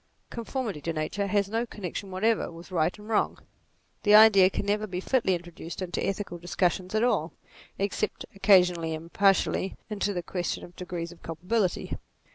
Conformity to nature, has no connection whatever with right and wrong. The idea can never be fitly introduced into ethical discussions at all, except, oc casionally and partially, into the question of degrees of culpability.